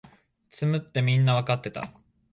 詰むってみんなわかってた